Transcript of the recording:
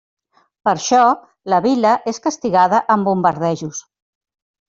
Per això, la vila és castigada amb bombardejos.